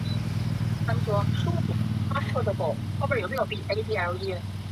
湖南黄花稔为锦葵科黄花稔属下的一个种。